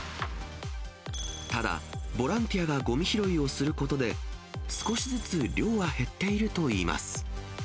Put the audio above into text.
ただ、ボランティアがごみ拾いをすることで、少しずつ量は減っているといいます。